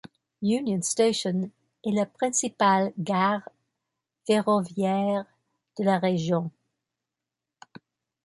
Union Station est la principale gare ferroviaire de la région.